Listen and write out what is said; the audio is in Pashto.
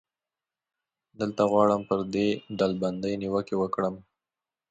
دلته غواړم پر دې ډلبندۍ نیوکې وکړم.